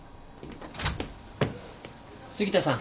杉田さん。